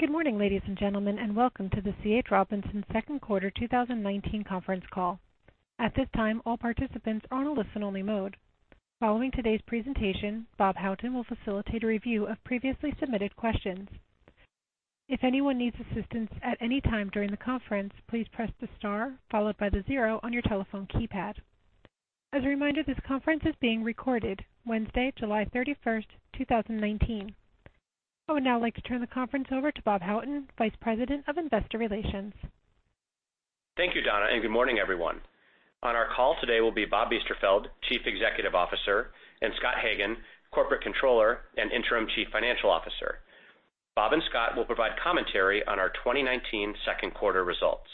Good morning, ladies and gentlemen, and welcome to the C. H. Robinson second quarter 2019 conference call. At this time, all participants are on a listen-only mode. Following today's presentation, Bob Houghton will facilitate a review of previously submitted questions. If anyone needs assistance at any time during the conference, please press the star followed by the zero on your telephone keypad. As a reminder, this conference is being recorded Wednesday, July 31st, 2019. I would now like to turn the conference over to Bob Houghton, Vice President of Investor Relations. Thank you, Donna. Good morning, everyone. On our call today will be Bob Biesterfeld, Chief Executive Officer, and Scott Hagen, Corporate Controller and Interim Chief Financial Officer. Bob and Scott will provide commentary on our 2019 second quarter results.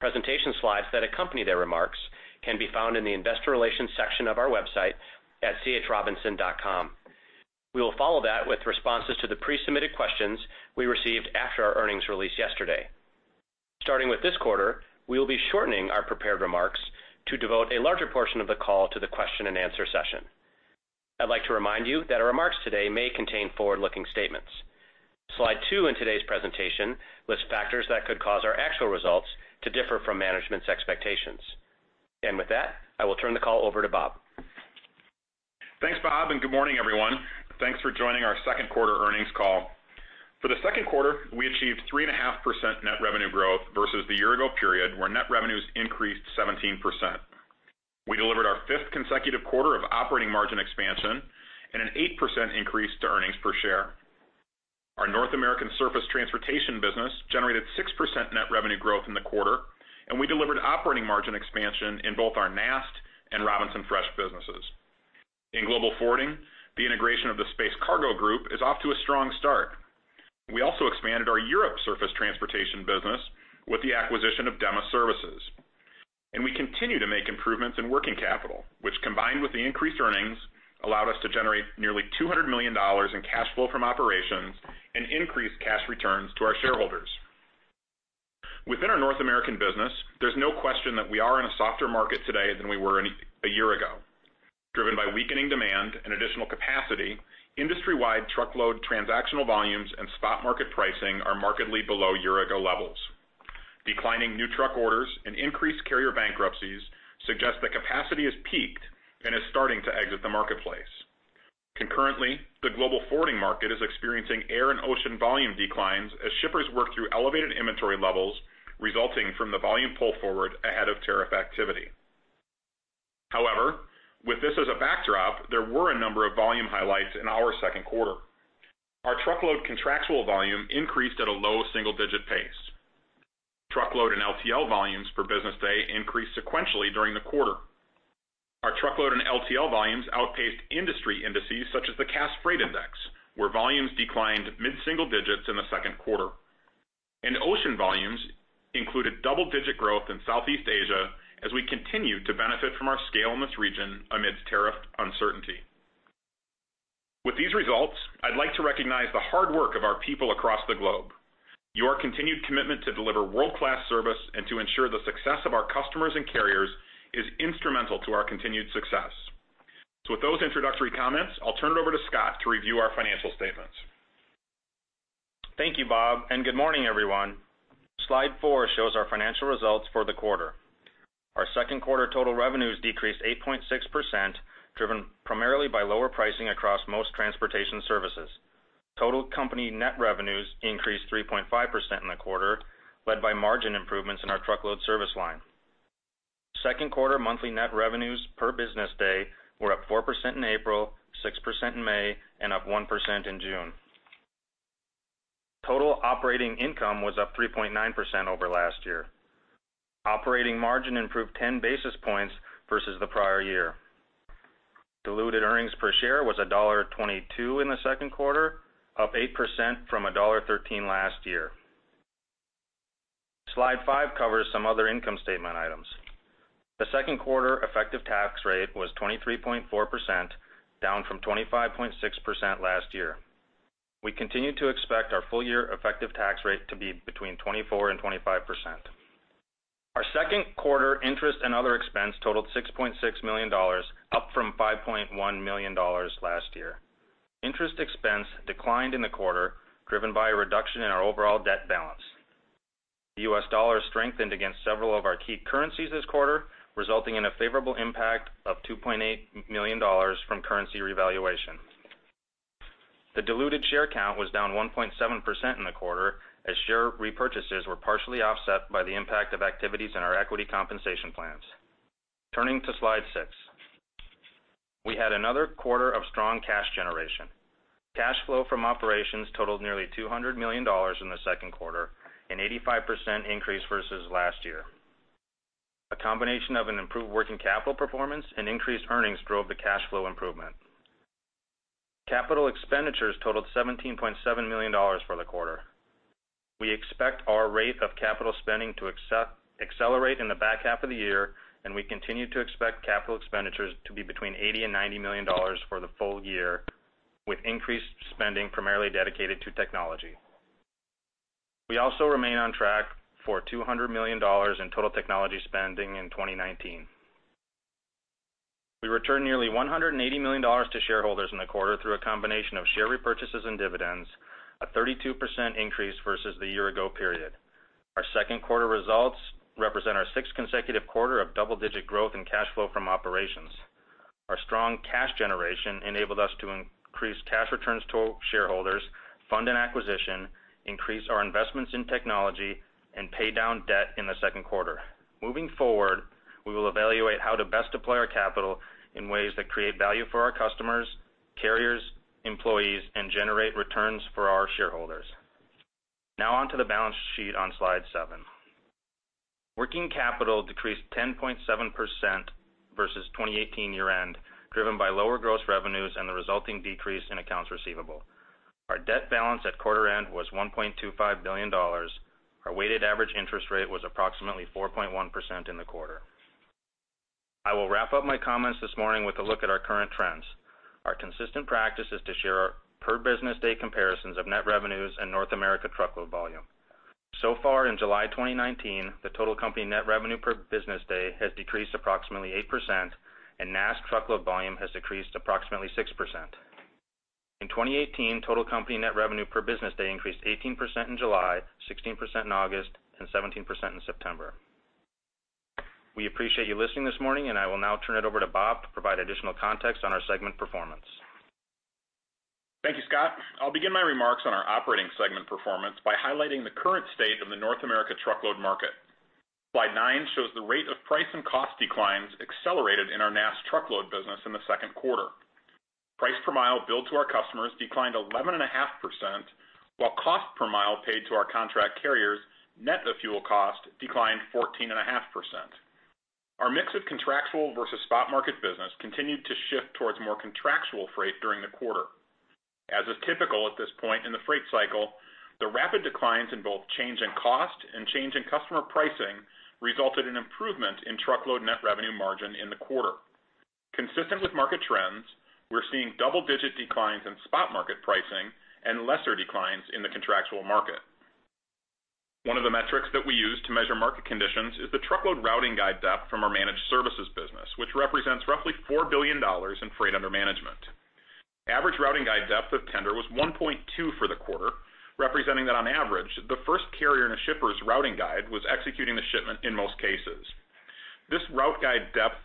Presentation slides that accompany their remarks can be found in the investor relations section of our website at chrobinson.com. We will follow that with responses to the pre-submitted questions we received after our earnings release yesterday. Starting with this quarter, we will be shortening our prepared remarks to devote a larger portion of the call to the question and answer session. I'd like to remind you that our remarks today may contain forward-looking statements. Slide two in today's presentation lists factors that could cause our actual results to differ from management's expectations. With that, I will turn the call over to Bob. Thanks, Bob, and good morning, everyone. Thanks for joining our second quarter earnings call. For the second quarter, we achieved 3.5% net revenue growth versus the year ago period where net revenues increased 17%. We delivered our fifth consecutive quarter of operating margin expansion and an 8% increase to earnings per share. Our North American Surface Transportation business generated 6% net revenue growth in the quarter, and we delivered operating margin expansion in both our NAST and Robinson Fresh businesses. In global forwarding, The Space Cargo Group is off to a strong start. We also expanded our Europe surface transportation business with the acquisition of Dema Service. We continue to make improvements in working capital, which combined with the increased earnings, allowed us to generate nearly $200 million in cash flow from operations and increase cash returns to our shareholders. Within our North American business, there's no question that we are in a softer market today than we were a year ago. Driven by weakening demand and additional capacity, industry-wide truckload transactional volumes and spot market pricing are markedly below year-ago levels. Declining new truck orders and increased carrier bankruptcies suggest that capacity has peaked and is starting to exit the marketplace. Concurrently, the global forwarding market is experiencing air and ocean volume declines as shippers work through elevated inventory levels resulting from the volume pull forward ahead of tariff activity. However, with this as a backdrop, there were a number of volume highlights in our second quarter. Our truckload contractual volume increased at a low single-digit pace. Truckload and LTL volumes per business day increased sequentially during the quarter. Our truckload and LTL volumes outpaced industry indices such as the Cass Freight Index, where volumes declined mid-single digits in the second quarter. Ocean volumes included double-digit growth in Southeast Asia as we continue to benefit from our scale in this region amidst tariff uncertainty. With these results, I'd like to recognize the hard work of our people across the globe. Your continued commitment to deliver world-class service and to ensure the success of our customers and carriers is instrumental to our continued success. With those introductory comments, I'll turn it over to Scott to review our financial statements. Thank you, Bob, and good morning, everyone. Slide four shows our financial results for the quarter. Our second quarter total revenues decreased 8.6%, driven primarily by lower pricing across most transportation services. Total company net revenues increased 3.5% in the quarter, led by margin improvements in our truckload service line. Second quarter monthly net revenues per business day were up 4% in April, 6% in May, and up 1% in June. Total operating income was up 3.9% over last year. Operating margin improved 10 basis points versus the prior year. Diluted earnings per share was $1.22 in the second quarter, up 8% from $1.13 last year. Slide five covers some other income statement items. The second quarter effective tax rate was 23.4%, down from 25.6% last year. We continue to expect our full year effective tax rate to be between 24% and 25%. Our second quarter interest and other expense totaled $6.6 million, up from $5.1 million last year. Interest expense declined in the quarter, driven by a reduction in our overall debt balance. The U.S. dollar strengthened against several of our key currencies this quarter, resulting in a favorable impact of $2.8 million from currency revaluation. The diluted share count was down 1.7% in the quarter as share repurchases were partially offset by the impact of activities in our equity compensation plans. Turning to slide six. We had another quarter of strong cash generation. Cash flow from operations totaled nearly $200 million in the second quarter, an 85% increase versus last year. A combination of an improved working capital performance and increased earnings drove the cash flow improvement. Capital expenditures totaled $17.7 million for the quarter. We expect our rate of capital spending to accelerate in the back half of the year. We continue to expect capital expenditures to be between $80 million and $90 million for the full year, with increased spending primarily dedicated to technology. We also remain on track for $200 million in total technology spending in 2019. We returned nearly $180 million to shareholders in the quarter through a combination of share repurchases and dividends, a 32% increase versus the year ago period. Our second quarter results represent our sixth consecutive quarter of double-digit growth in cash flow from operations. Our strong cash generation enabled us to increase cash returns to shareholders, fund an acquisition, increase our investments in technology, and pay down debt in the second quarter. Moving forward, we will evaluate how to best deploy our capital in ways that create value for our customers, carriers, employees, and generate returns for our shareholders. Now on to the balance sheet on slide seven. Working capital decreased 10.7% versus 2018 year-end, driven by lower gross revenues and the resulting decrease in accounts receivable. Our debt balance at quarter end was $1.25 billion. Our weighted average interest rate was approximately 4.1% in the quarter. I will wrap up my comments this morning with a look at our current trends. Our consistent practice is to share our per-business day comparisons of net revenues and North America truckload volume. So far in July 2019, the total company net revenue per business day has decreased approximately 8%, and NAST truckload volume has decreased approximately 6%. In 2018, total company net revenue per business day increased 18% in July, 16% in August, and 17% in September. We appreciate you listening this morning, and I will now turn it over to Bob to provide additional context on our segment performance. Thank you, Scott. I'll begin my remarks on our operating segment performance by highlighting the current state of the North America truckload market. Slide nine shows the rate of price and cost declines accelerated in our NAST truckload business in the second quarter. Price per mile billed to our customers declined 11.5%, while cost per mile paid to our contract carriers, net of fuel cost, declined 14.5%. Our mix of contractual versus spot market business continued to shift towards more contractual freight during the quarter. As is typical at this point in the freight cycle, the rapid declines in both change in cost and change in customer pricing resulted in improvement in truckload net revenue margin in the quarter. Consistent with market trends, we're seeing double-digit declines in spot market pricing and lesser declines in the contractual market. One of the metrics that we use to measure market conditions is the truckload routing guide depth from our managed services business, which represents roughly $4 billion in freight under management. Average routing guide depth of tender was 1.2 for the quarter, representing that on average, the first carrier in a shipper's routing guide was executing the shipment in most cases. This routing guide depth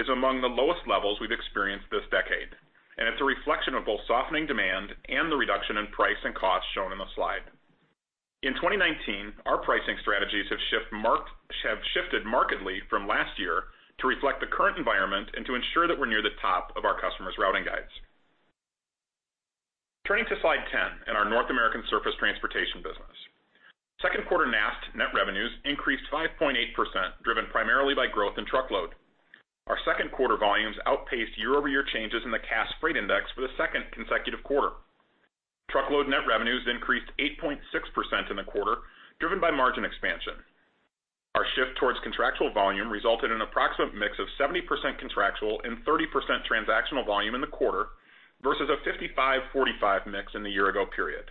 is among the lowest levels we've experienced this decade, and it's a reflection of both softening demand and the reduction in price and cost shown in the slide. In 2019, our pricing strategies have shifted markedly from last year to reflect the current environment and to ensure that we're near the top of our customers' routing guides. Turning to slide 10 and our North American Surface Transportation business. Second quarter NAST net revenues increased 5.8%, driven primarily by growth in truckload. Our second quarter volumes outpaced year-over-year changes in the Cass Freight Index for the second consecutive quarter. Truckload net revenues increased 8.6% in the quarter, driven by margin expansion. Our shift towards contractual volume resulted in an approximate mix of 70% contractual and 30% transactional volume in the quarter versus a 55/45 mix in the year-ago period.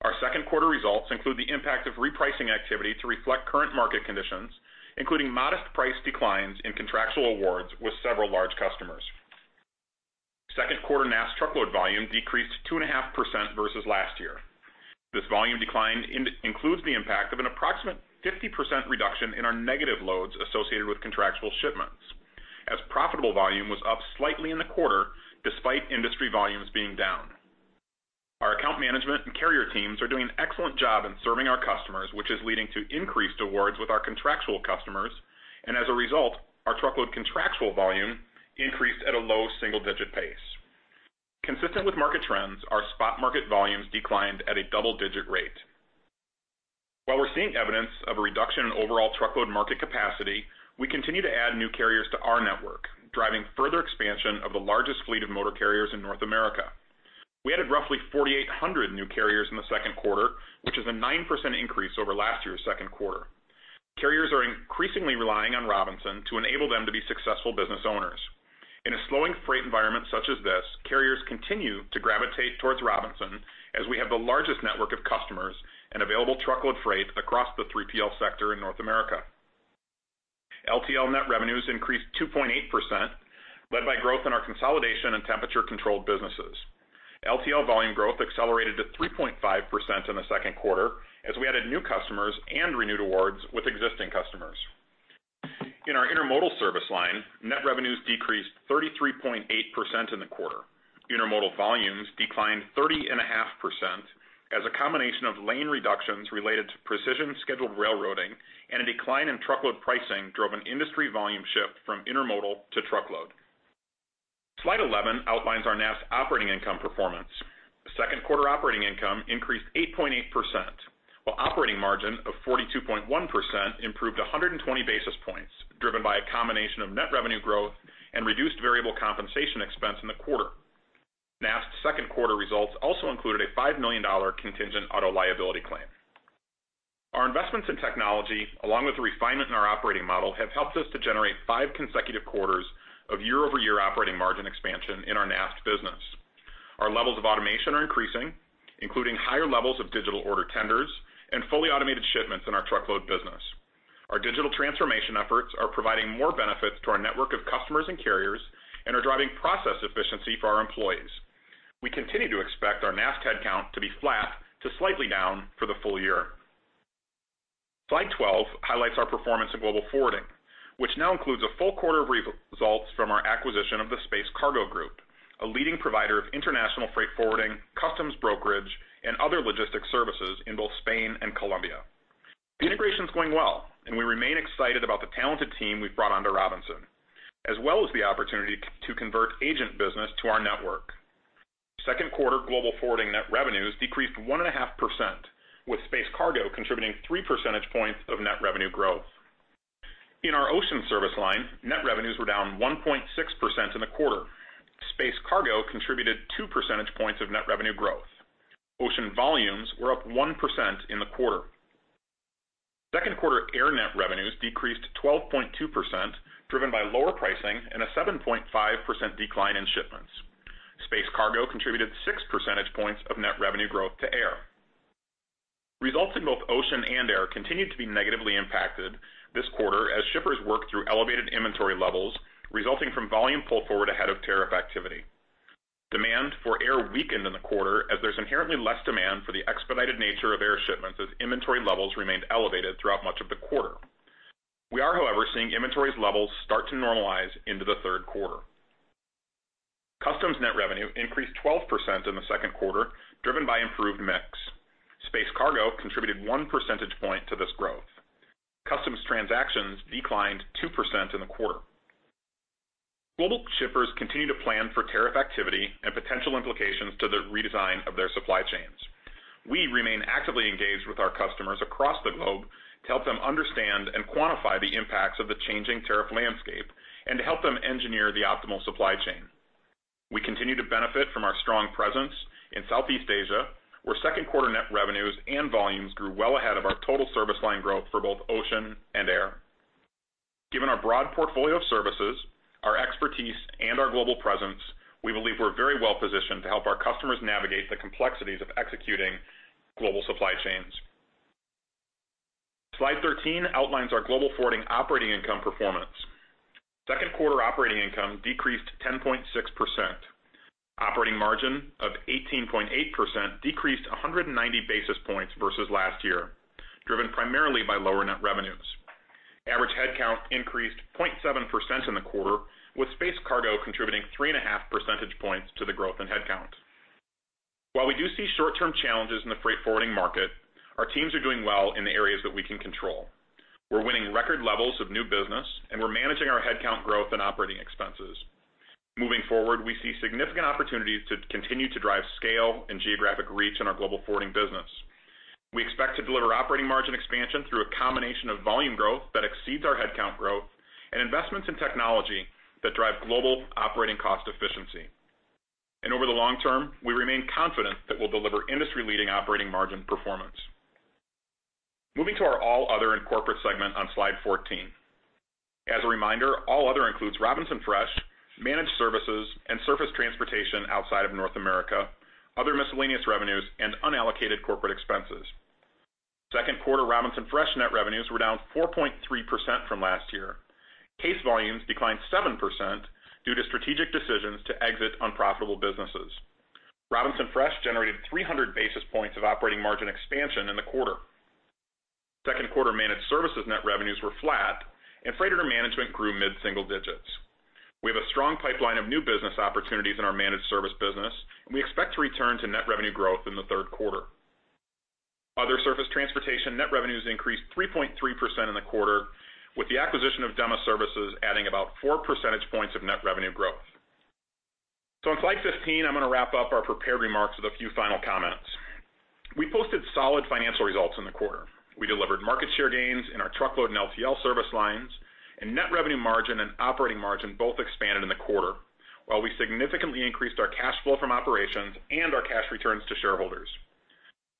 Our second quarter results include the impact of repricing activity to reflect current market conditions, including modest price declines in contractual awards with several large customers. Second quarter NAST truckload volume decreased 2.5% versus last year. This volume decline includes the impact of an approximate 50% reduction in our negative loads associated with contractual shipments, as profitable volume was up slightly in the quarter, despite industry volumes being down. Our account management and carrier teams are doing an excellent job in serving our customers, which is leading to increased awards with our contractual customers, and as a result, our truckload contractual volume increased at a low single-digit pace. Consistent with market trends, our spot market volumes declined at a double-digit rate. While we're seeing evidence of a reduction in overall truckload market capacity, we continue to add new carriers to our network, driving further expansion of the largest fleet of motor carriers in North America. We added roughly 4,800 new carriers in the second quarter, which is a 9% increase over last year's second quarter. Carriers are increasingly relying on Robinson to enable them to be successful business owners. In a slowing freight environment such as this, carriers continue to gravitate towards Robinson, as we have the largest network of customers and available truckload freight across the 3PL sector in North America. LTL net revenues increased 2.8%, led by growth in our consolidation and temperature-controlled businesses. LTL volume growth accelerated to 3.5% in the second quarter, as we added new customers and renewed awards with existing customers. In our intermodal service line, net revenues decreased 33.8% in the quarter. Intermodal volumes declined 30.5% as a combination of lane reductions related to precision scheduled railroading and a decline in truckload pricing drove an industry volume shift from intermodal to truckload. Slide 11 outlines our NAST operating income performance. The second quarter operating income increased 8.8%, while operating margin of 42.1% improved 120 basis points, driven by a combination of net revenue growth and reduced variable compensation expense in the quarter. NAST's second quarter results also included a $5 million contingent auto liability claim. Our investments in technology, along with the refinement in our operating model, have helped us to generate five consecutive quarters of year-over-year operating margin expansion in our NAST business. Our levels of automation are increasing, including higher levels of digital order tenders and fully automated shipments in our truckload business. Our digital transformation efforts are providing more benefits to our network of customers and carriers and are driving process efficiency for our employees. We continue to expect our NAST head count to be flat to slightly down for the full year. Slide 12 highlights our performance in Global Forwarding, which now includes a full quarter of results from our acquisition of The Space Cargo Group, a leading provider of international freight forwarding, customs brokerage, and other logistics services in both Spain and Colombia. The integration's going well, and we remain excited about the talented team we've brought on to Robinson, as well as the opportunity to convert agent business to our network. Second quarter global forwarding net revenues decreased 1.5%, with Space Cargo contributing 3 percentage points of net revenue growth. In our ocean service line, net revenues were down 1.6% in the quarter. Space Cargo contributed 2 percentage points of net revenue growth. Ocean volumes were up 1% in the quarter. Second quarter air net revenues decreased 12.2%, driven by lower pricing and a 7.5% decline in shipments. Space Cargo contributed 6 percentage points of net revenue growth to air. Results in both ocean and air continued to be negatively impacted this quarter as shippers worked through elevated inventory levels, resulting from volume pull forward ahead of tariff activity. Demand for air weakened in the quarter as there's inherently less demand for the expedited nature of air shipments, as inventory levels remained elevated throughout much of the quarter. We are, however, seeing inventories levels start to normalize into the third quarter. Customs net revenue increased 12% in the second quarter driven by improved mix. Space Cargo contributed one percentage point to this growth. Customs transactions declined 2% in the quarter. Global shippers continue to plan for tariff activity and potential implications to the redesign of their supply chains. We remain actively engaged with our customers across the globe to help them understand and quantify the impacts of the changing tariff landscape and to help them engineer the optimal supply chain. We continue to benefit from our strong presence in Southeast Asia, where second quarter net revenues and volumes grew well ahead of our total service line growth for both ocean and air. Given our broad portfolio of services, our expertise, and our global presence, we believe we're very well positioned to help our customers navigate the complexities of executing global supply chains. Slide 13 outlines our Global Forwarding operating income performance. Second quarter operating income decreased 10.6%. Operating margin of 18.8% decreased 190 basis points versus last year, driven primarily by lower net revenues. Average head count increased 0.7% in the quarter, with Space Cargo contributing 3.5 percentage points to the growth in head count. While we do see short-term challenges in the freight forwarding market, our teams are doing well in the areas that we can control. We're winning record levels of new business, and we're managing our head count growth and operating expenses. Moving forward, we see significant opportunities to continue to drive scale and geographic reach in our global forwarding business. We expect to deliver operating margin expansion through a combination of volume growth that exceeds our head count growth and investments in technology that drive global operating cost efficiency. Over the long term, we remain confident that we'll deliver industry-leading operating margin performance. Moving to our all other and corporate segment on slide 14. As a reminder, all other includes Robinson Fresh, managed services, and surface transportation outside of North America, other miscellaneous revenues, and unallocated corporate expenses. Second quarter Robinson Fresh net revenues were down 4.3% from last year. Case volumes declined 7% due to strategic decisions to exit unprofitable businesses. Robinson Fresh generated 300 basis points of operating margin expansion in the quarter. Second quarter managed services net revenues were flat, and freighter management grew mid-single digits. We have a strong pipeline of new business opportunities in our managed service business, and we expect to return to net revenue growth in the third quarter. Other surface transportation net revenues increased 3.3% in the quarter, with the acquisition of Dema Service adding about 4 percentage points of net revenue growth. On slide 15, I'm going to wrap up our prepared remarks with a few final comments. We posted solid financial results in the quarter. We delivered market share gains in our truckload and LTL service lines, and net revenue margin and operating margin both expanded in the quarter, while we significantly increased our cash flow from operations and our cash returns to shareholders.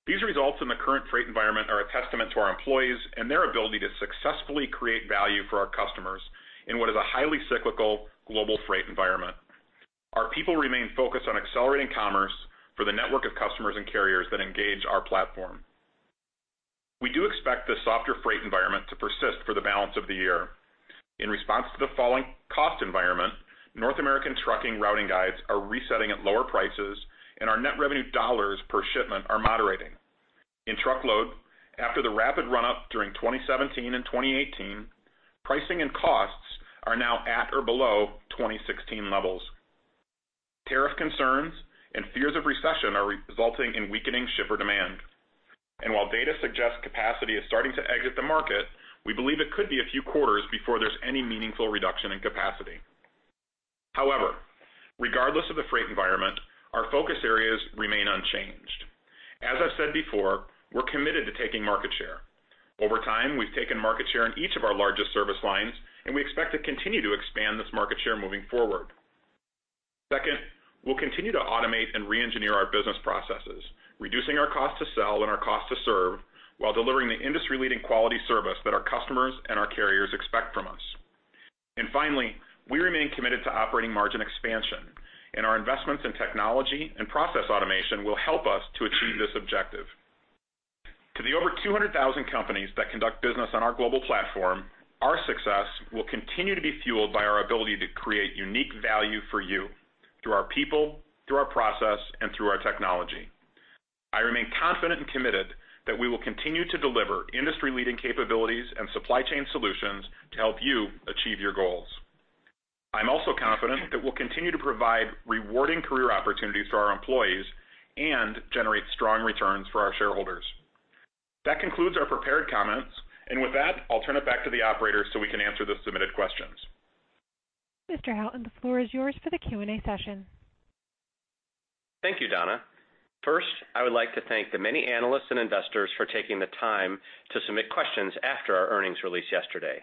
These results in the current freight environment are a testament to our employees and their ability to successfully create value for our customers in what is a highly cyclical global freight environment. Our people remain focused on accelerating commerce for the network of customers and carriers that engage our platform. We do expect the softer freight environment to persist for the balance of the year. In response to the falling cost environment, North American trucking routing guides are resetting at lower prices, and our net revenue dollars per shipment are moderating. In truckload, after the rapid run-up during 2017 and 2018, pricing and costs are now at or below 2016 levels. Tariff concerns and fears of recession are resulting in weakening shipper demand. While data suggests capacity is starting to exit the market, we believe it could be a few quarters before there's any meaningful reduction in capacity. However, regardless of the freight environment, our focus areas remain unchanged. As I've said before, we're committed to taking market share. Over time, we've taken market share in each of our largest service lines, and we expect to continue to expand this market share moving forward. Second, we'll continue to automate and re-engineer our business processes, reducing our cost to sell and our cost to serve while delivering the industry-leading quality service that our customers and our carriers expect from us. Finally, we remain committed to operating margin expansion, and our investments in technology and process automation will help us to achieve this objective. To the over 200,000 companies that conduct business on our global platform, our success will continue to be fueled by our ability to create unique value for you through our people, through our process, and through our technology. I remain confident and committed that we will continue to deliver industry-leading capabilities and supply chain solutions to help you achieve your goals. I'm also confident that we'll continue to provide rewarding career opportunities to our employees and generate strong returns for our shareholders. That concludes our prepared comments. With that, I'll turn it back to the operator so we can answer the submitted questions. Mr. Houghton, the floor is yours for the Q&A session. Thank you, Donna. First, I would like to thank the many analysts and investors for taking the time to submit questions after our earnings release yesterday.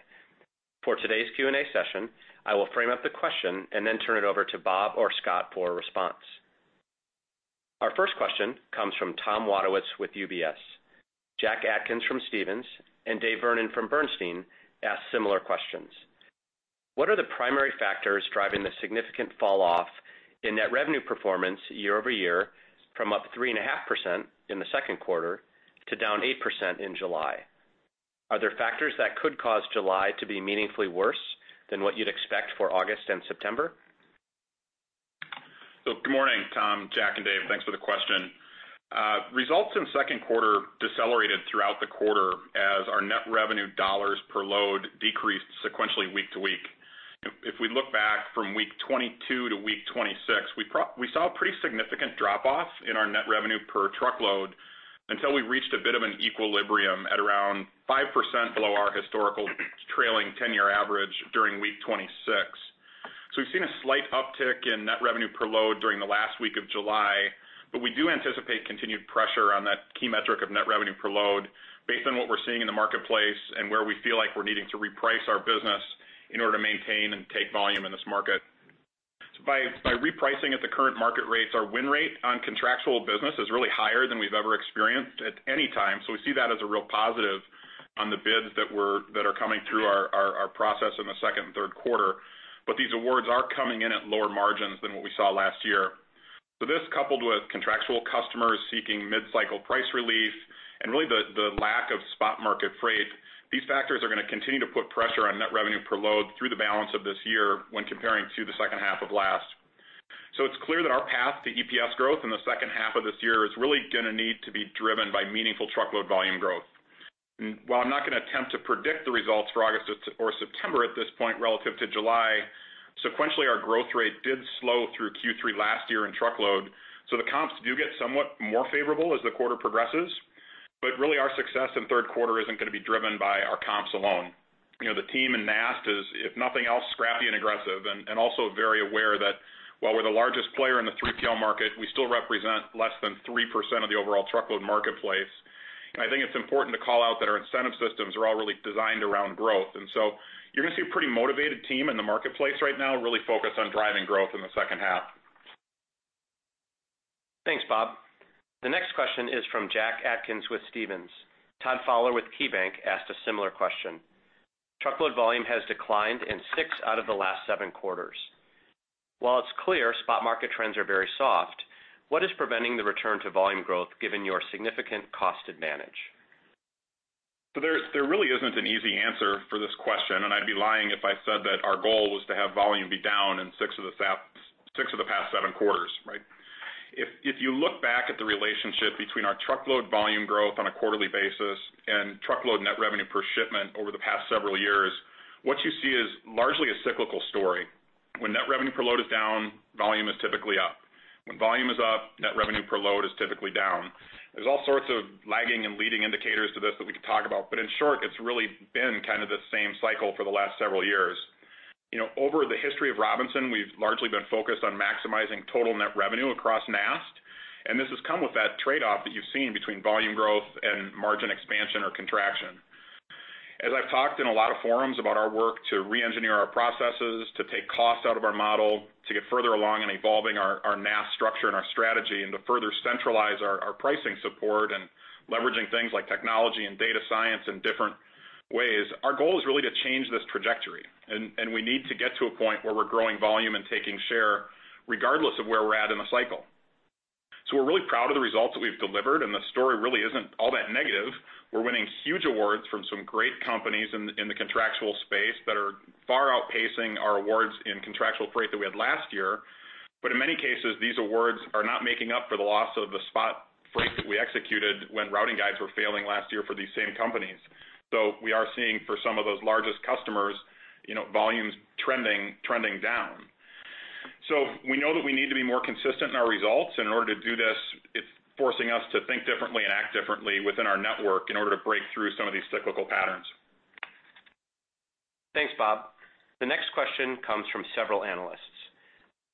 For today's Q&A session, I will frame up the question and then turn it over to Bob or Scott for a response. Our first question comes from Tom Wadewitz with UBS. Jack Atkins from Stephens, and Dave Vernon from Bernstein asked similar questions. What are the primary factors driving the significant fall-off in net revenue performance year-over-year from up 3.5% in the second quarter to down 8% in July? Are there factors that could cause July to be meaningfully worse than what you'd expect for August and September? Good morning, Tom, Jack, and Dave. Thanks for the question. Results in the second quarter decelerated throughout the quarter as our net revenue $ per load decreased sequentially week to week. We look back from week 22 to week 26, we saw a pretty significant drop-off in our net revenue per truckload until we reached a bit of an equilibrium at around 5% below our historical trailing 10-year average during week 26. We've seen a slight uptick in net revenue per load during the last week of July, but we do anticipate continued pressure on that key metric of net revenue per load based on what we're seeing in the marketplace and where we feel like we're needing to reprice our business in order to maintain and take volume in this market. By repricing at the current market rates, our win rate on contractual business is really higher than we've ever experienced at any time. These awards are coming in at lower margins than what we saw last year. This, coupled with contractual customers seeking mid-cycle price relief and really the lack of spot market freight, these factors are going to continue to put pressure on net revenue per load through the balance of this year when comparing to the second half of last. It is clear that our path to EPS growth in the second half of this year is really going to need to be driven by meaningful truckload volume growth. While I'm not going to attempt to predict the results for August or September at this point relative to July, sequentially, our growth rate did slow through Q3 last year in truckload. The comps do get somewhat more favorable as the quarter progresses, but really our success in the third quarter isn't going to be driven by our comps alone. The team in NAST is, if nothing else, scrappy and aggressive, and also very aware that while we're the largest player in the 3PL market, we still represent less than 3% of the overall truckload marketplace. I think it's important to call out that our incentive systems are all really designed around growth. You're going to see a pretty motivated team in the marketplace right now, really focused on driving growth in the second half. Thanks, Bob. The next question is from Jack Atkins with Stephens. Todd Fowler with KeyBanc asked a similar question. Truckload volume has declined in six out of the last seven quarters. While it's clear spot market trends are very soft, what is preventing the return to volume growth given your significant cost advantage? There really isn't an easy answer for this question, and I'd be lying if I said that our goal was to have volume be down in six of the past seven quarters, right? If you look back at the relationship between our truckload volume growth on a quarterly basis and truckload net revenue per shipment over the past several years, what you see is largely a cyclical story. When net revenue per load is down, volume is typically up. When volume is up, net revenue per load is typically down. There's all sorts of lagging and leading indicators to this that we could talk about, but in short, it's really been kind of the same cycle for the last several years. Over the history of C.H. Robinson, we've largely been focused on maximizing total net revenue across NAST, this has come with that trade-off that you've seen between volume growth and margin expansion or contraction. As I've talked in a lot of forums about our work to re-engineer our processes, to take cost out of our model, to get further along in evolving our NAST structure and our strategy, and to further centralize our pricing support and leveraging things like technology and data science in different ways, our goal is really to change this trajectory, we need to get to a point where we're growing volume and taking share regardless of where we're at in the cycle. We're really proud of the results that we've delivered, the story really isn't all that negative. We're winning huge awards from some great companies in the contractual space that are far outpacing our awards in contractual freight that we had last year. In many cases, these awards are not making up for the loss of the spot freight that we executed when routing guides were failing last year for these same companies. We are seeing for some of those largest customers, volumes trending down. We know that we need to be more consistent in our results. In order to do this, it's forcing us to think differently and act differently within our network in order to break through some of these cyclical patterns. Thanks, Bob. The next question comes from several analysts.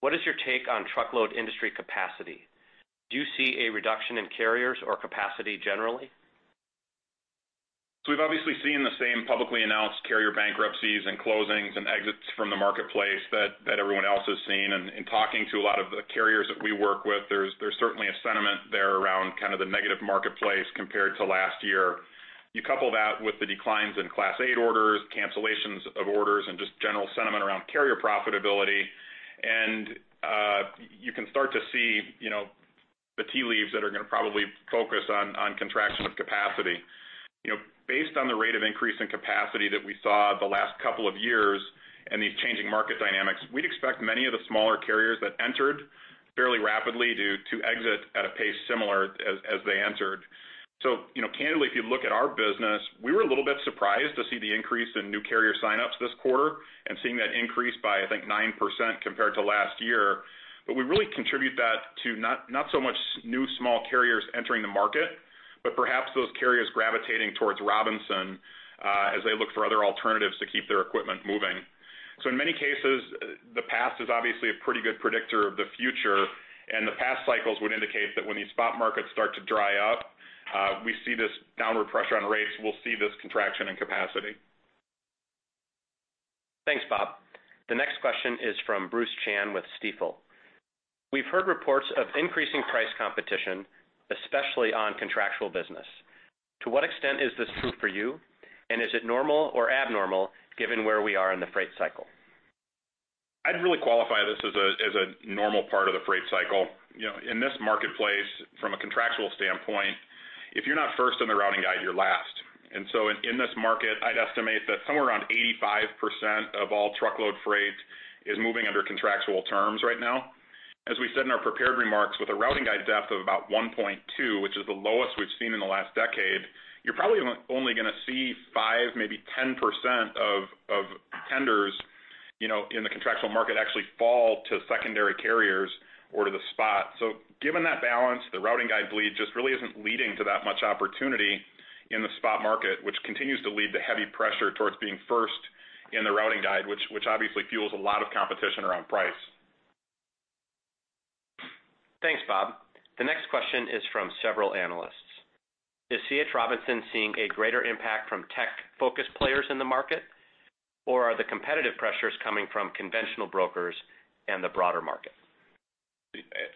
What is your take on truckload industry capacity? Do you see a reduction in carriers or capacity generally? We've obviously seen the same publicly announced carrier bankruptcies and closings and exits from the marketplace that everyone else has seen. In talking to a lot of the carriers that we work with, there's certainly a sentiment there around kind of the negative marketplace compared to last year. You couple that with the declines in Class 8 orders, cancellations of orders, and just general sentiment around carrier profitability, and you can start to see the tea leaves that are going to probably focus on contraction of capacity. Based on the rate of increase in capacity that we saw the last couple of years and these changing market dynamics, we'd expect many of the smaller carriers that entered fairly rapidly to exit at a pace similar as they entered. Candidly, if you look at our business, we were a little bit surprised to see the increase in new carrier signups this quarter and seeing that increase by, I think, 9% compared to last year. We really contribute that to not so much new small carriers entering the market, but perhaps those carriers gravitating towards Robinson as they look for other alternatives to keep their equipment moving. In many cases, the past is obviously a pretty good predictor of the future, and the past cycles would indicate that when these spot markets start to dry up, we see this downward pressure on rates. We'll see this contraction in capacity. Thanks, Bob. The next question is from Bruce Chan with Stifel. We've heard reports of increasing price competition, especially on contractual business. To what extent is this true for you? Is it normal or abnormal given where we are in the freight cycle? I'd really qualify this as a normal part of the freight cycle. In this marketplace, from a contractual standpoint, if you're not first in the routing guide, you're last. In this market, I'd estimate that somewhere around 85% of all truckload freight is moving under contractual terms right now. As we said in our prepared remarks, with a routing guide depth of about 1.2, which is the lowest we've seen in the last decade, you're probably only going to see 5%, maybe 10% of tenders in the contractual market actually fall to secondary carriers or to the spot. Given that balance, the routing guide bleed just really isn't leading to that much opportunity in the spot market, which continues to lead to heavy pressure towards being first in the routing guide, which obviously fuels a lot of competition around price. Thanks, Bob. The next question is from several analysts. "Is C. H. Robinson seeing a greater impact from tech-focused players in the market? Or are the competitive pressures coming from conventional brokers and the broader market?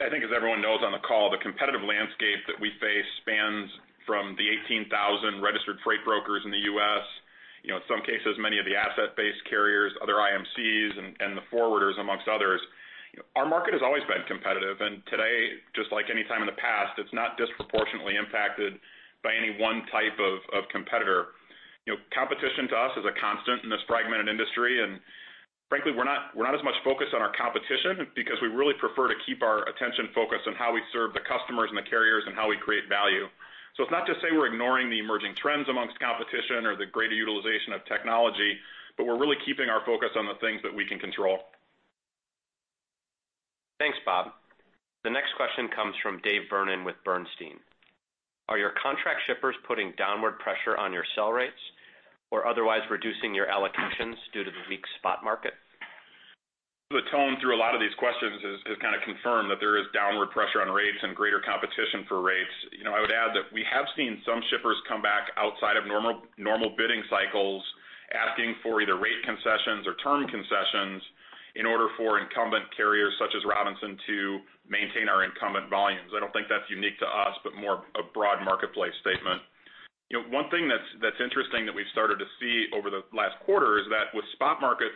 I think as everyone knows on the call, the competitive landscape that we face spans from the 18,000 registered freight brokers in the U.S. In some cases, many of the asset-based carriers, other IMCs, and the forwarders, amongst others. Our market has always been competitive. Today, just like any time in the past, it's not disproportionately impacted by any one type of competitor. Competition to us is a constant in this fragmented industry, frankly, we're not as much focused on our competition because we really prefer to keep our attention focused on how we serve the customers and the carriers and how we create value. It's not to say we're ignoring the emerging trends amongst competition or the greater utilization of technology. We're really keeping our focus on the things that we can control. Thanks, Bob. The next question comes from Dave Vernon with Bernstein. "Are your contract shippers putting downward pressure on your sell rates? Or otherwise reducing your allocations due to the weak spot market? The tone through a lot of these questions has kind of confirmed that there is downward pressure on rates and greater competition for rates. I would add that we have seen some shippers come back outside of normal bidding cycles, asking for either rate concessions or term concessions in order for incumbent carriers such as Robinson to maintain our incumbent volumes. I don't think that's unique to us, more a broad marketplace statement. One thing that's interesting that we've started to see over the last quarter is that with spot market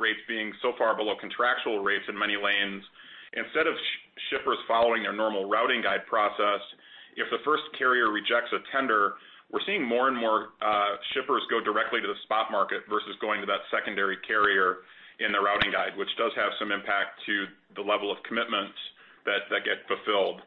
rates being so far below contractual rates in many lanes, instead of shippers following their normal routing guide process, if the first carrier rejects a tender, we're seeing more and more shippers go directly to the spot market versus going to that secondary carrier in the routing guide. Which does have some impact to the level of commitments that get fulfilled.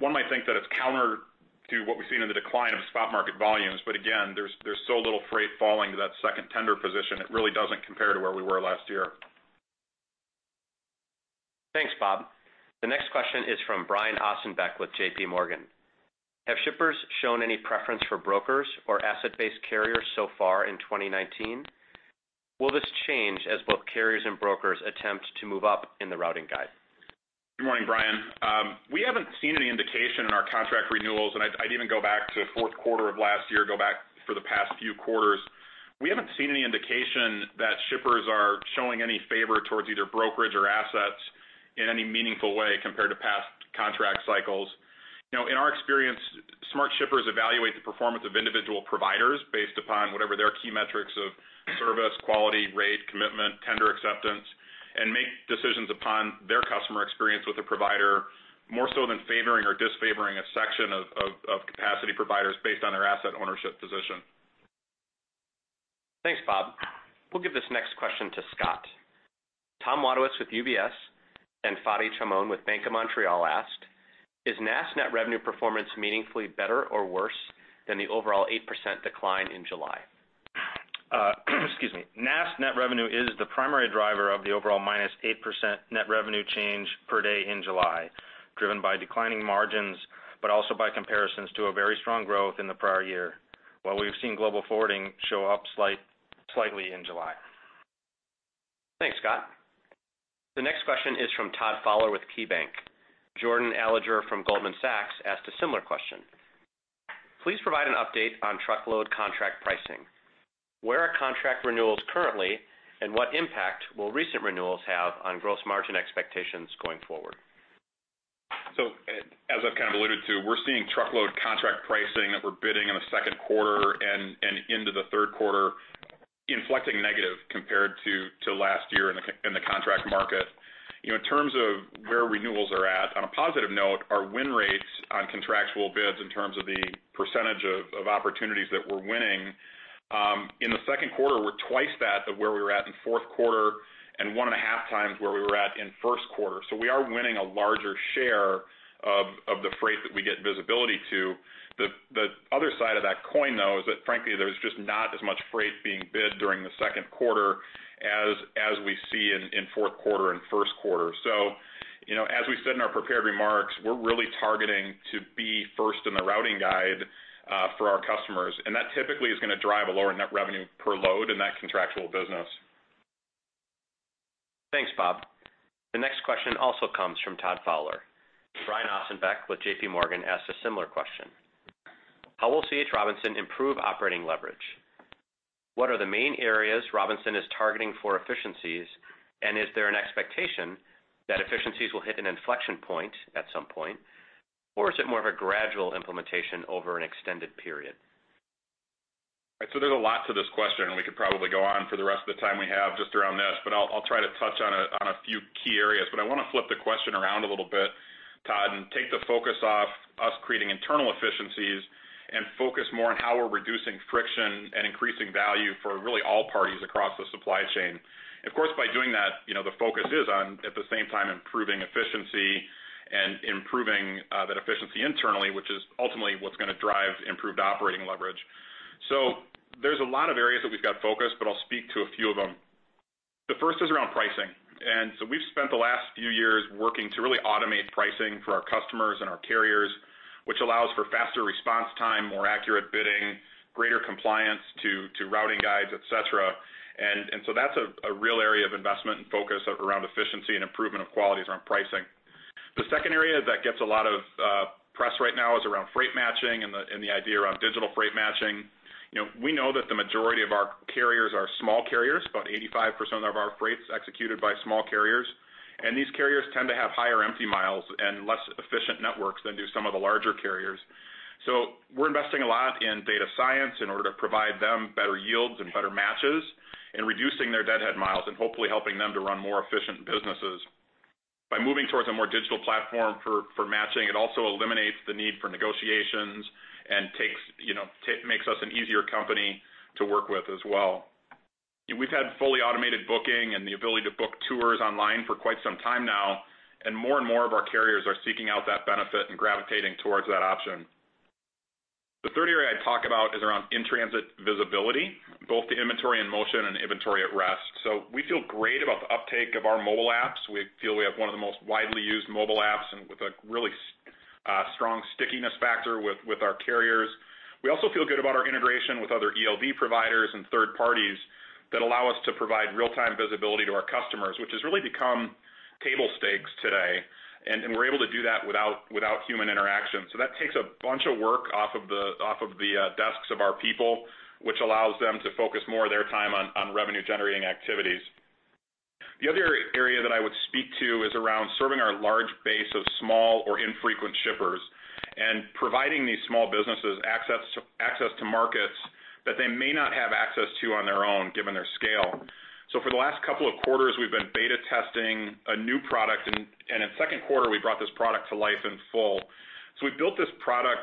One might think that it's counter to what we've seen in the decline of spot market volumes, again, there's so little freight falling to that second tender position, it really doesn't compare to where we were last year. Thanks, Bob. The next question is from Brian Ossenbeck with J.P. Morgan. "Have shippers shown any preference for brokers or asset-based carriers so far in 2019? Will this change as both carriers and brokers attempt to move up in the routing guide? Good morning, Brian. We haven't seen any indication in our contract renewals, and I'd even go back to fourth quarter of last year, go back for the past few quarters. We haven't seen any indication that shippers are showing any favor towards either brokerage or assets in any meaningful way compared to past contract cycles. In our experience, smart shippers evaluate the performance of individual providers based upon whatever their key metrics of service, quality, rate, commitment, tender acceptance, and make decisions upon their customer experience with the provider, more so than favoring or disfavoring a section of capacity providers based on their asset ownership position. Thanks, Bob. We'll give this next question to Scott. Tom Wadewitz with UBS and Fadi Chamoun with Bank of Montreal asked, "Is NAST net revenue performance meaningfully better or worse than the overall 8% decline in July? Excuse me. NAST net revenue is the primary driver of the overall -8% net revenue change per day in July, driven by declining margins, but also by comparisons to a very strong growth in the prior year. We've seen global forwarding show up slightly in July. Thanks, Scott. The next question is from Todd Fowler with KeyBanc. Jordan Alliger from Goldman Sachs asked a similar question. "Please provide an update on truckload contract pricing. Where are contract renewals currently, and what impact will recent renewals have on gross margin expectations going forward? As I've kind of alluded to, we're seeing truckload contract pricing that we're bidding in the second quarter and into the third quarter inflecting negative compared to last year in the contract market. In terms of where renewals are at, on a positive note, our win rates on contractual bids in terms of the percentage of opportunities that we're winning in the second quarter were twice that of where we were at in fourth quarter, and one and a half times where we were at in first quarter. We are winning a larger share of the freight that we get visibility to. The other side of that coin, though, is that frankly, there's just not as much freight being bid during the second quarter as we see in fourth quarter and first quarter. As we said in our prepared remarks, we're really targeting to be first in the routing guide for our customers, and that typically is going to drive a lower net revenue per load in that contractual business. Thanks, Bob. The next question also comes from Todd Fowler. Brian Ossenbeck with J.P. Morgan asked a similar question. How will C.H. Robinson improve operating leverage? What are the main areas Robinson is targeting for efficiencies, and is there an expectation that efficiencies will hit an inflection point at some point, or is it more of a gradual implementation over an extended period? There's a lot to this question, and we could probably go on for the rest of the time we have just around this, but I'll try to touch on a few key areas. I want to flip the question around a little bit, Todd, and take the focus off us creating internal efficiencies and focus more on how we're reducing friction and increasing value for really all parties across the supply chain. Of course, by doing that, the focus is on, at the same time, improving efficiency and improving that efficiency internally, which is ultimately what's going to drive improved operating leverage. There's a lot of areas that we've got focused, but I'll speak to a few of them. The first is around pricing. We've spent the last few years working to really automate pricing for our customers and our carriers, which allows for faster response time, more accurate bidding, greater compliance to routing guides, et cetera. That's a real area of investment and focus around efficiency and improvement of quality is around pricing. The second area that gets a lot of press right now is around freight matching and the idea around digital freight matching. We know that the majority of our carriers are small carriers. About 85% of our freight is executed by small carriers, and these carriers tend to have higher empty miles and less efficient networks than do some of the larger carriers. We're investing a lot in data science in order to provide them better yields and better matches in reducing their deadhead miles and hopefully helping them to run more efficient businesses. By moving towards a more digital platform for matching, it also eliminates the need for negotiations and makes us an easier company to work with as well. We've had fully automated booking and the ability to book tours online for quite some time now, and more and more of our carriers are seeking out that benefit and gravitating towards that option. The third area I'd talk about is around in-transit visibility, both to inventory in motion and inventory at rest. We feel great about the uptake of our mobile apps. We feel we have one of the most widely used mobile apps and with a really strong stickiness factor with our carriers. We also feel good about our integration with other ELD providers and third parties that allow us to provide real-time visibility to our customers, which has really become table stakes today, and we're able to do that without human interaction. That takes a bunch of work off of the desks of our people, which allows them to focus more of their time on revenue-generating activities. The other area that I would speak to is around serving our large base of small or infrequent shippers and providing these small businesses access to markets that they may not have access to on their own, given their scale. For the last couple of quarters, we've been beta testing a new product, in the second quarter, we brought this product to life in full. We built this product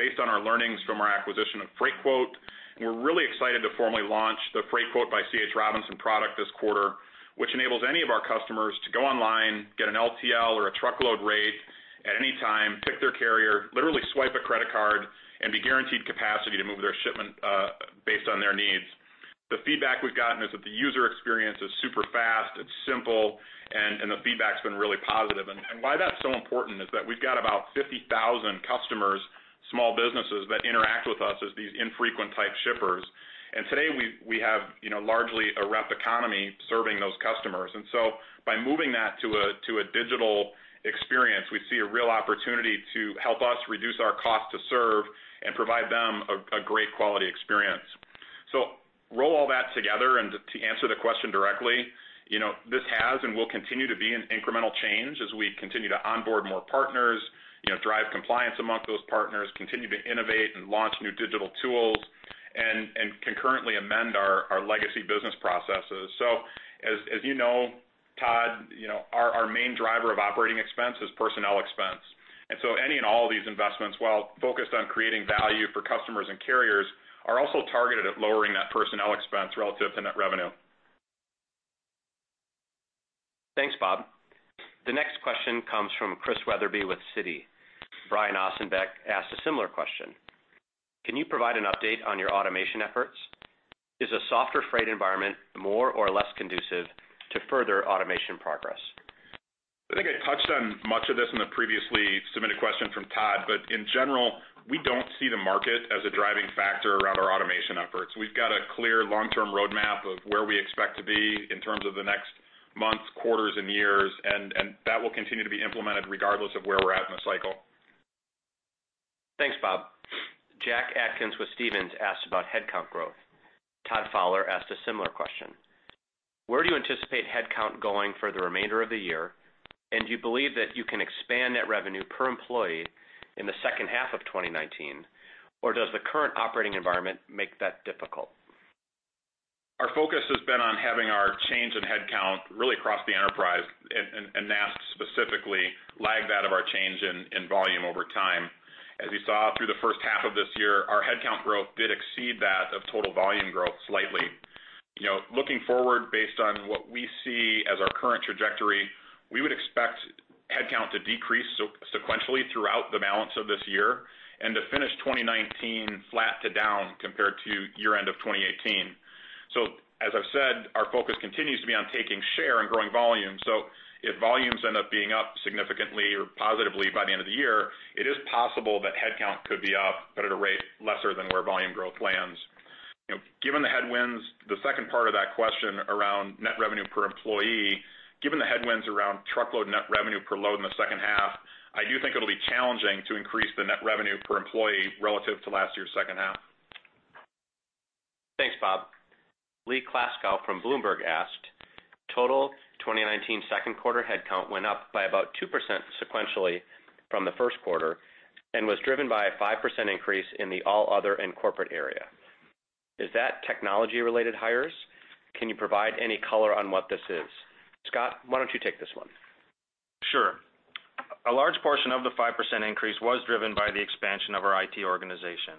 based on our learnings from our acquisition of Freightquote, and we're really excited to formally launch the Freightquote by C.H. Robinson product this quarter, which enables any of our customers to go online, get an LTL or a truckload rate at any time, pick their carrier, literally swipe a credit card, and be guaranteed capacity to move their shipment based on their needs. The feedback we've gotten is that the user experience is super fast, it's simple, and the feedback has been really positive. Why that's so important is that we've got about 50,000 customers, small businesses that interact with us as these infrequent type shippers. Today we have largely a rep economy serving those customers. By moving that to a digital experience, we see a real opportunity to help us reduce our cost to serve and provide them a great quality experience. Roll all that together, and to answer the question directly, this has and will continue to be an incremental change as we continue to onboard more partners, drive compliance amongst those partners, continue to innovate and launch new digital tools, and concurrently amend our legacy business processes. As you know, Todd, our main driver of operating expense is personnel expense. Any and all of these investments, while focused on creating value for customers and carriers, are also targeted at lowering that personnel expense relative to net revenue. Thanks, Bob. The next question comes from Chris Wetherbee with Citi. Brian Ossenbeck asked a similar question. Can you provide an update on your automation efforts? Is a softer freight environment more or less conducive to further automation progress? I think I touched on much of this in the previously submitted question from Todd. In general, we don't see the market as a driving factor around our automation efforts. We've got a clear long-term roadmap of where we expect to be in terms of the next months, quarters, and years, that will continue to be implemented regardless of where we're at in the cycle. Thanks, Bob. Jack Atkins with Stephens asked about headcount growth. Todd Fowler asked a similar question. Where do you anticipate headcount going for the remainder of the year? Do you believe that you can expand net revenue per employee in the second half of 2019, or does the current operating environment make that difficult? Our focus has been on having our change in headcount really across the enterprise, and NAST, specifically, lag that of our change in volume over time. As you saw through the first half of this year, our headcount growth did exceed that of total volume growth slightly. Looking forward, based on what we see as our current trajectory, we would expect headcount to decrease sequentially throughout the balance of this year, and to finish 2019 flat to down compared to year-end of 2018. As I've said, our focus continues to be on taking share and growing volume. If volumes end up being up significantly or positively by the end of the year, it is possible that headcount could be up, but at a rate lesser than where volume growth lands. Given the headwinds, the second part of that question around net revenue per employee, given the headwinds around truckload net revenue per load in the second half, I do think it'll be challenging to increase the net revenue per employee relative to last year's second half. Thanks, Bob. Lee Klaskow from Bloomberg asked, total 2019 second quarter headcount went up by about 2% sequentially from the first quarter and was driven by a 5% increase in the all other and corporate area. Is that technology related hires? Can you provide any color on what this is? Scott, why don't you take this one? Sure. A large portion of the 5% increase was driven by the expansion of our IT organization.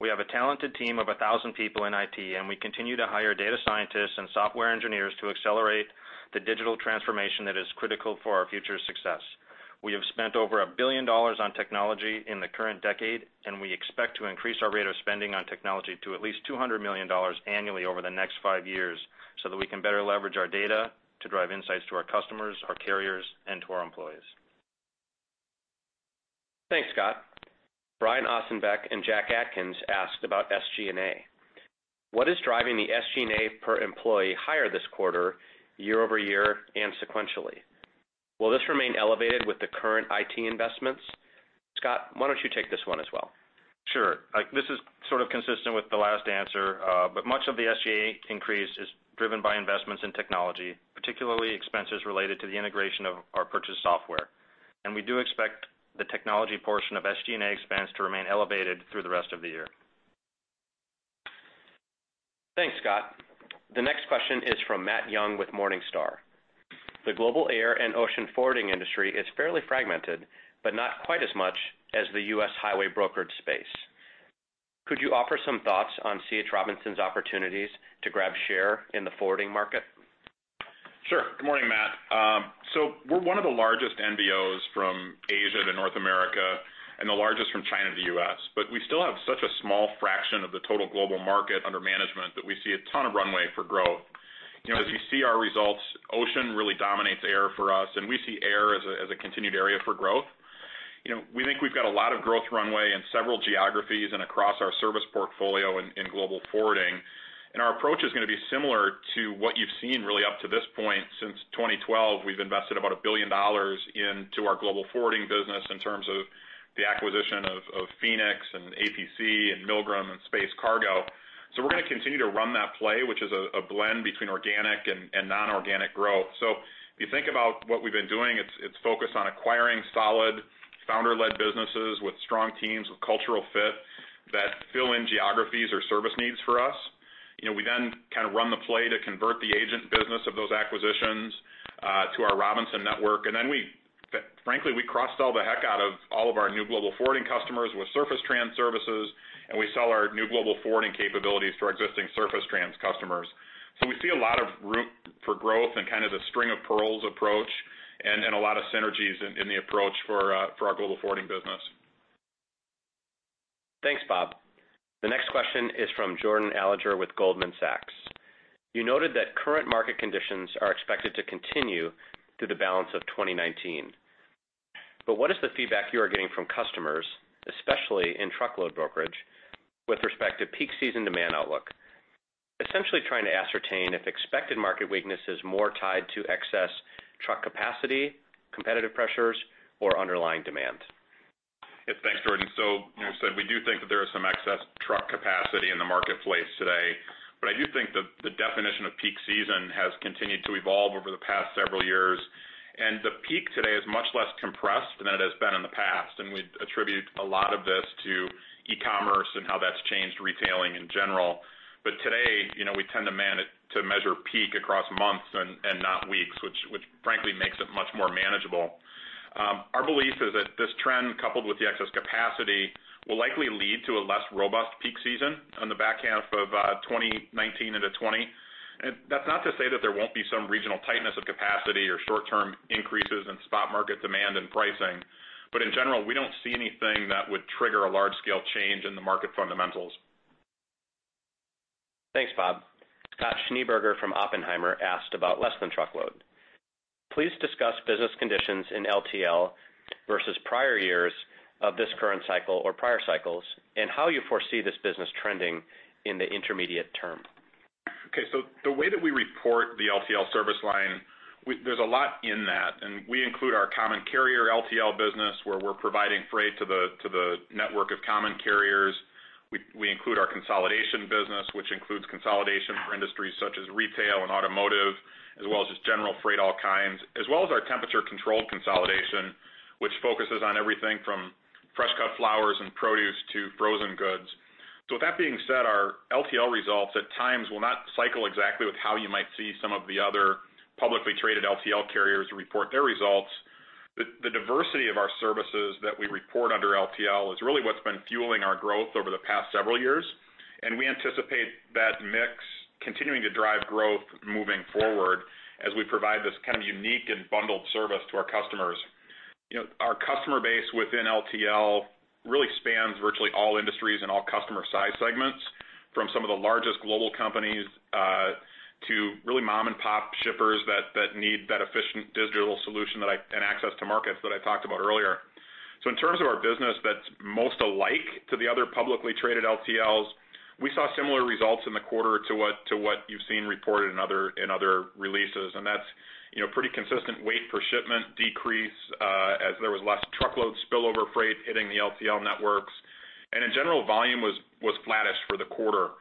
We have a talented team of 1,000 people in IT. We continue to hire data scientists and software engineers to accelerate the digital transformation that is critical for our future success. We have spent over $1 billion on technology in the current decade. We expect to increase our rate of spending on technology to at least $200 million annually over the next five years so that we can better leverage our data to drive insights to our customers, our carriers, and to our employees. Thanks, Scott. Brian Ossenbeck and Jack Atkins asked about SG&A. What is driving the SG&A per employee higher this quarter, year-over-year and sequentially? Will this remain elevated with the current IT investments? Scott, why don't you take this one as well? Sure. This is sort of consistent with the last answer. Much of the SG&A increase is driven by investments in technology, particularly expenses related to the integration of our purchased software. We do expect the technology portion of SG&A expense to remain elevated through the rest of the year. Thanks, Scott. The next question is from Matt Young with Morningstar. The global air and ocean forwarding industry is fairly fragmented but not quite as much as the U.S. highway brokerage space. Could you offer some thoughts on C.H. Robinson's opportunities to grab share in the forwarding market? Sure. Good morning, Matt. We're one of the largest NVOs from Asia to North America and the largest from China to U.S. We still have such a small fraction of the total global market under management that we see a ton of runway for growth. As you see our results, ocean really dominates air for us, and we see air as a continued area for growth. We think we've got a lot of growth runway in several geographies and across our service portfolio in global forwarding. Our approach is going to be similar to what you've seen really up to this point since 2012. We've invested about $1 billion into our global forwarding business in terms of the acquisition of Phoenix and APC and Milgram and Space Cargo. We're going to continue to run that play, which is a blend between organic and non-organic growth. If you think about what we've been doing, it's focused on acquiring solid founder-led businesses with strong teams, with cultural fit that fill in geographies or service needs for us. We then kind of run the play to convert the agent business of those acquisitions to our Robinson network, and then, frankly, we cross-sell the heck out of all of our new global forwarding customers with surface trans services, and we sell our new global forwarding capabilities to our existing surface trans customers. We see a lot of room for growth and kind of the string of pearls approach and a lot of synergies in the approach for our global forwarding business. Thanks, Bob. The next question is from Jordan Alliger with Goldman Sachs. You noted that current market conditions are expected to continue through the balance of 2019. What is the feedback you are getting from customers, especially in truckload brokerage, with respect to peak season demand outlook? Essentially trying to ascertain if expected market weakness is more tied to excess truck capacity, competitive pressures, or underlying demand. Thanks, Jordan. We do think that there is some excess truck capacity in the marketplace today. I do think that the definition of peak season has continued to evolve over the past several years, and the peak today is much less compressed than it has been in the past, and we attribute a lot of this to e-commerce and how that's changed retailing in general. Today, we tend to measure peak across months and not weeks, which frankly makes it much more manageable. Our belief is that this trend, coupled with the excess capacity, will likely lead to a less robust peak season on the back half of 2019 into 2020. That's not to say that there won't be some regional tightness of capacity or short-term increases in spot market demand and pricing. In general, we don't see anything that would trigger a large-scale change in the market fundamentals. Thanks, Bob. Scott Schneeberger from Oppenheimer asked about less than truckload. Please discuss business conditions in LTL versus prior years of this current cycle or prior cycles, and how you foresee this business trending in the intermediate term? Okay. The way that we report the LTL service line, there's a lot in that. We include our common carrier LTL business, where we're providing freight to the network of common carriers. We include our consolidation business, which includes consolidation for industries such as retail and automotive, as well as just general freight, all kinds. As well as our temperature-controlled consolidation, which focuses on everything from fresh cut flowers and produce to frozen goods. With that being said, our LTL results at times will not cycle exactly with how you might see some of the other publicly traded LTL carriers report their results. The diversity of our services that we report under LTL is really what's been fueling our growth over the past several years, and we anticipate that mix continuing to drive growth moving forward as we provide this kind of unique and bundled service to our customers. Our customer base within LTL really spans virtually all industries and all customer size segments, from some of the largest global companies, to really mom-and-pop shippers that need that efficient digital solution and access to markets that I talked about earlier. In terms of our business that's most alike to the other publicly traded LTLs, we saw similar results in the quarter to what you've seen reported in other releases, and that's pretty consistent weight per shipment decrease, as there was less truckload spillover freight hitting the LTL networks. In general, volume was flattish for the quarter.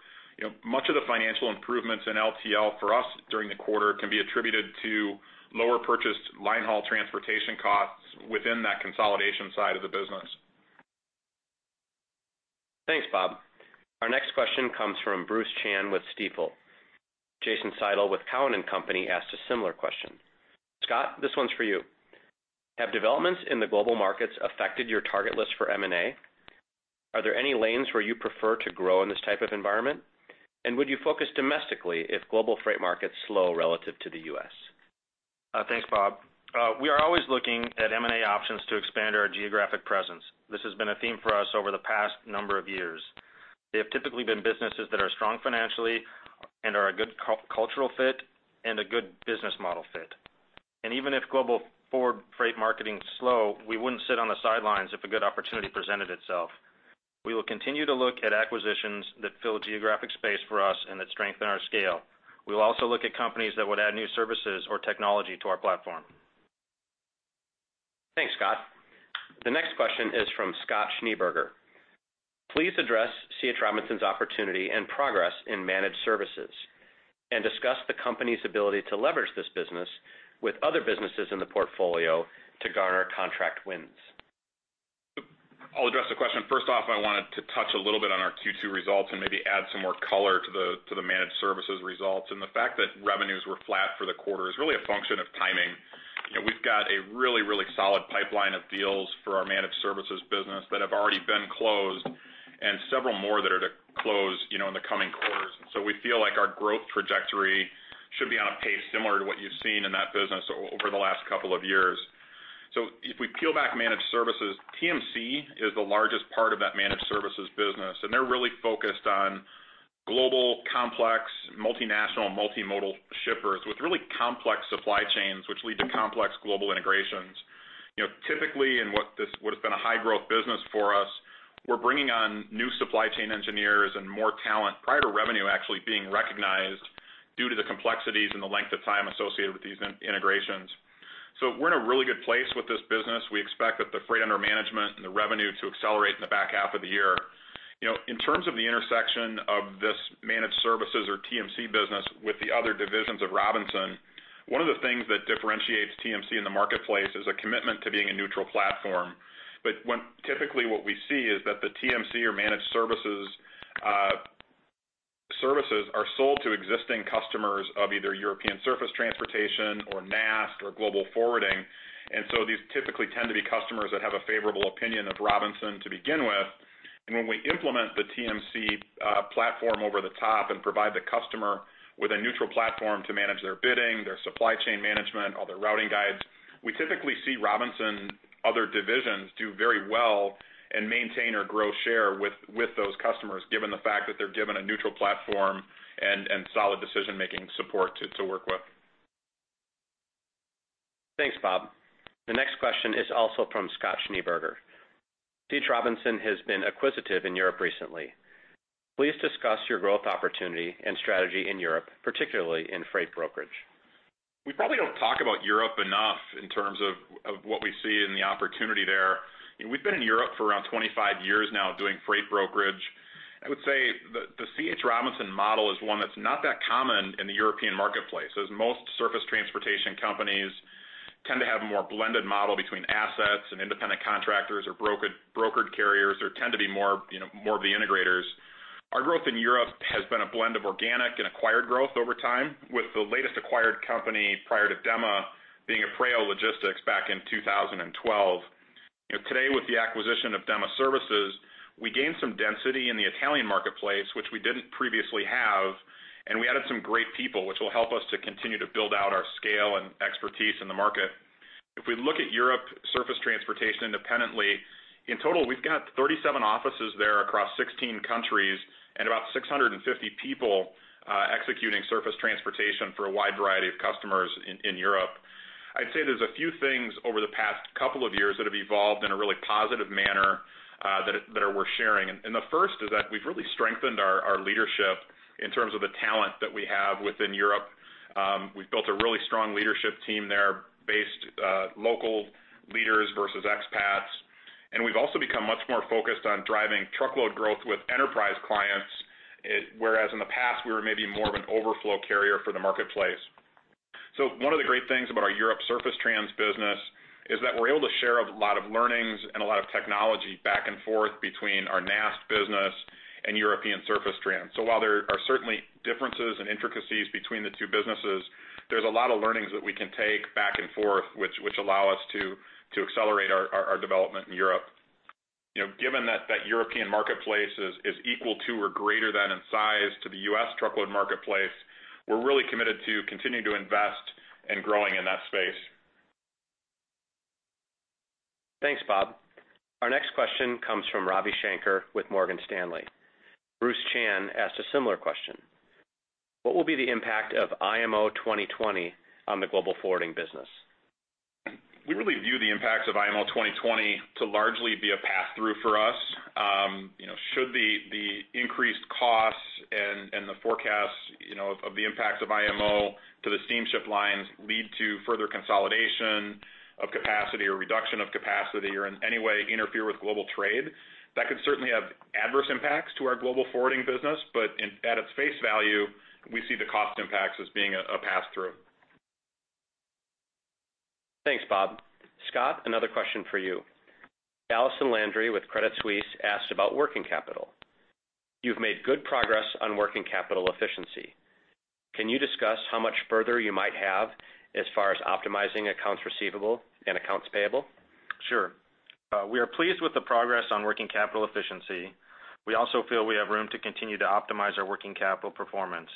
Much of the financial improvements in LTL for us during the quarter can be attributed to lower purchased line haul transportation costs within that consolidation side of the business. Thanks, Bob. Our next question comes from Bruce Chan with Stifel. Jason Seidl with Cowen and Company asked a similar question. Scott, this one's for you. Have developments in the global markets affected your target list for M&A? Are there any lanes where you prefer to grow in this type of environment? Would you focus domestically if global freight markets slow relative to the U.S.? Thanks, Bob. We are always looking at M&A options to expand our geographic presence. This has been a theme for us over the past number of years. They have typically been businesses that are strong financially and are a good cultural fit and a good business model fit. Even if global forward freight marketing is slow, we wouldn't sit on the sidelines if a good opportunity presented itself. We will continue to look at acquisitions that fill a geographic space for us and that strengthen our scale. We will also look at companies that would add new services or technology to our platform. Thanks, Scott. The next question is from Scott Schneeberger. Please address C. H. Robinson's opportunity and progress in managed services, and discuss the company's ability to leverage this business with other businesses in the portfolio to garner contract wins. I'll address the question. First off, I wanted to touch a little bit on our Q2 results and maybe add some more color to the managed services results. The fact that revenues were flat for the quarter is really a function of timing. We've got a really, really solid pipeline of deals for our managed services business that have already been closed and several more that are to close in the coming quarters. We feel like our growth trajectory should be on a pace similar to what you've seen in that business over the last couple of years. If we peel back managed services, TMC is the largest part of that managed services business, and they're really focused on global complex, multinational, multimodal shippers with really complex supply chains, which lead to complex global integrations. Typically, in what has been a high growth business for us, we're bringing on new supply chain engineers and more talent prior to revenue actually being recognized due to the complexities and the length of time associated with these integrations. We're in a really good place with this business. We expect that the freight under management and the revenue to accelerate in the back half of the year. In terms of the intersection of this managed services or TMC business with the other divisions of Robinson, one of the things that differentiates TMC in the marketplace is a commitment to being a neutral platform. Typically, what we see is that the TMC or managed services are sold to existing customers of either European Surface Transportation or NAST or Global Forwarding. These typically tend to be customers that have a favorable opinion of Robinson to begin with. When we implement the TMC platform over the top and provide the customer with a neutral platform to manage their bidding, their supply chain management, all their routing guides, we typically see Robinson, other divisions do very well and maintain or grow share with those customers, given the fact that they're given a neutral platform and solid decision-making support to work with. Thanks, Bob. The next question is also from Scott Schneeberger. C. H. Robinson has been acquisitive in Europe recently. Please discuss your growth opportunity and strategy in Europe, particularly in freight brokerage. We probably don't talk about Europe enough in terms of what we see and the opportunity there. We've been in Europe for around 25 years now doing freight brokerage. I would say the C.H. Robinson model is one that's not that common in the European marketplace, as most surface transportation companies tend to have a more blended model between assets and independent contractors or brokered carriers, or tend to be more of the integrators. Our growth in Europe has been a blend of organic and acquired growth over time, with the latest acquired company prior to Dema Service being Apreo Logistics back in 2012. Today, with the acquisition of Dema Service S.p.A., we gained some density in the Italian marketplace, which we didn't previously have, and we added some great people, which will help us to continue to build out our scale and expertise in the market. If we look at Europe surface transportation independently, in total, we've got 37 offices there across 16 countries and about 650 people executing surface transportation for a wide variety of customers in Europe. I'd say there's a few things over the past couple of years that have evolved in a really positive manner that are worth sharing. The first is that we've really strengthened our leadership in terms of the talent that we have within Europe. We've built a really strong leadership team there based local leaders versus expats, and we've also become much more focused on driving truckload growth with enterprise clients, whereas in the past we were maybe more of an overflow carrier for the marketplace. One of the great things about our Europe surface trans business is that we're able to share a lot of learnings and a lot of technology back and forth between our NAST business and European surface trans. While there are certainly differences and intricacies between the two businesses, there's a lot of learnings that we can take back and forth, which allow us to accelerate our development in Europe. Given that that European marketplace is equal to or greater than in size to the U.S. truckload marketplace, we're really committed to continuing to invest and growing in that space. Thanks, Bob. Our next question comes from Ravi Shanker with Morgan Stanley. Bruce Chan asked a similar question. What will be the impact of IMO 2020 on the global forwarding business? We really view the impacts of IMO 2020 to largely be a pass-through for us. Should the increased costs and the forecasts of the impacts of IMO to the steamship lines lead to further consolidation of capacity or reduction of capacity or in any way interfere with global trade, that could certainly have adverse impacts to our global forwarding business. At its face value, we see the cost impacts as being a pass-through. Thanks, Bob. Scott, another question for you. Allison Landry with Credit Suisse asked about working capital. You've made good progress on working capital efficiency. Can you discuss how much further you might have as far as optimizing accounts receivable and accounts payable? Sure. We are pleased with the progress on working capital efficiency. We also feel we have room to continue to optimize our working capital performance.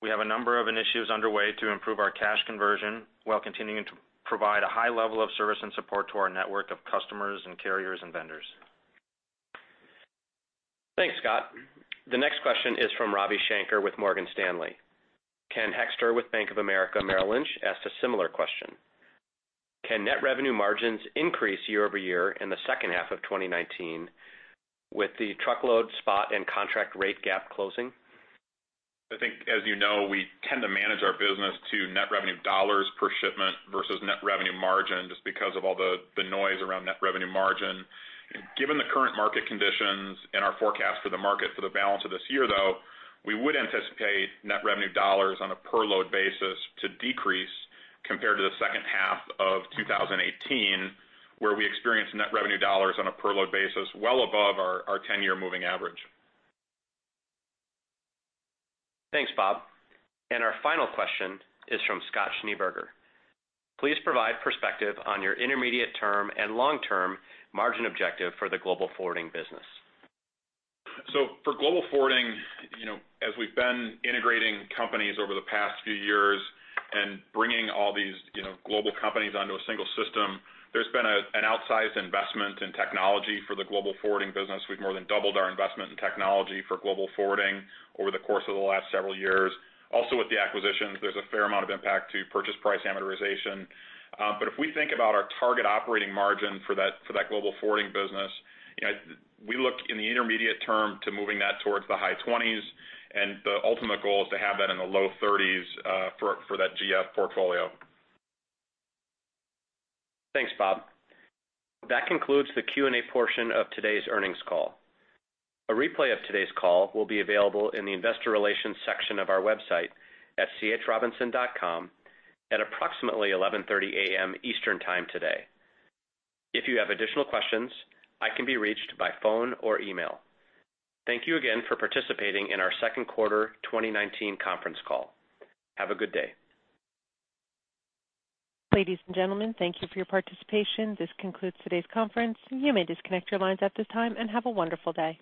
We have a number of initiatives underway to improve our cash conversion while continuing to provide a high level of service and support to our network of customers and carriers and vendors. Thanks, Scott. The next question is from Ravi Shanker with Morgan Stanley. Ken Hoexter with Bank of America Merrill Lynch asked a similar question. Can net revenue margins increase year-over-year in the second half of 2019 with the truckload spot and contract rate gap closing? I think, as you know, we tend to manage our business to net revenue dollars per shipment versus net revenue margin, just because of all the noise around net revenue margin. Given the current market conditions and our forecast for the market for the balance of this year, though, we would anticipate net revenue dollars on a per load basis to decrease compared to the second half of 2018, where we experienced net revenue dollars on a per load basis well above our 10-year moving average. Thanks, Bob. Our final question is from Scott Schneeberger. Please provide perspective on your intermediate term and long-term margin objective for the global forwarding business. For Global Forwarding, as we've been integrating companies over the past few years and bringing all these global companies onto a single system, there's been an outsized investment in technology for the Global Forwarding business. We've more than doubled our investment in technology for Global Forwarding over the course of the last several years. With the acquisitions, there's a fair amount of impact to purchase price amortization. If we think about our target operating margin for that Global Forwarding business, we look in the intermediate term to moving that towards the high 20s, and the ultimate goal is to have that in the low 30s for that GF portfolio. Thanks, Bob. That concludes the Q&A portion of today's earnings call. A replay of today's call will be available in the investor relations section of our website at chrobinson.com at approximately 11:30 A.M. Eastern Time today. If you have additional questions, I can be reached by phone or email. Thank you again for participating in our second quarter 2019 conference call. Have a good day. Ladies and gentlemen, thank you for your participation. This concludes today's conference. You may disconnect your lines at this time, and have a wonderful day.